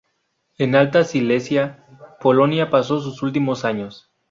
En alta Silesia, Polonia, pasó sus últimos años.